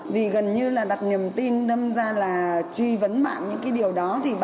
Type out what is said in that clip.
vì gần như là đặt niềm tin nâm ra là truy vấn bạn những cái điều đó